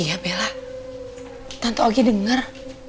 iya bella tante ogi dengar